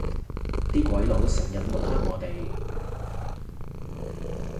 啲鬼佬成日抹黑我哋